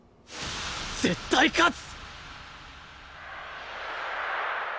絶対勝つ！